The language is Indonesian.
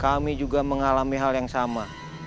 kami juga mengalami hal yang sama